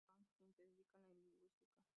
Louise Banks, quien se dedica a la lingüística.